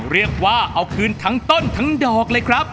เรียกว่าเอาคืนทั้งต้นทั้งดอกเลยครับ